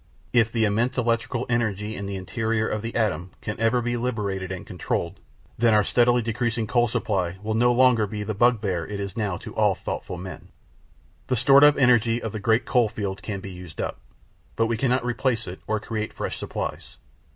If the immense electrical energy in the interior of the atom can ever be liberated and controlled, then our steadily decreasing coal supply will no longer be the bugbear it now is to all thoughtful men. The stored up energy of the great coal fields can be used up, but we cannot replace it or create fresh supplies.